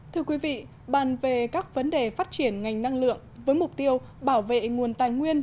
thưa quý vị bàn về các vấn đề phát triển ngành năng lượng với mục tiêu bảo vệ nguồn tài nguyên